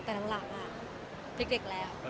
แต่ตอนหลังพลิกเด็กแล้ว